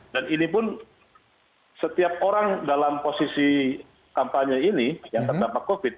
dan ini pun setiap orang dalam posisi kampanye ini yang terdampak covid sembilan belas